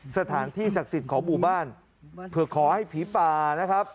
สถานที่ศักดิ์สิทธิ์ของหมู่บ้านเผื่อขอให้ผีป่านะครับ